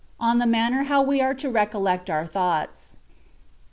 ON THE MANNER HOW WE ARE TO RECOLLECT OUR THOUGHTS.